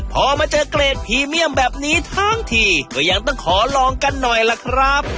พอมาเจอเกรดพรีเมียมแบบนี้ทั้งทีก็ยังต้องขอลองกันหน่อยล่ะครับ